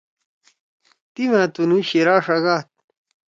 تی مھأ تُنُو شیِرا ݜگاد۔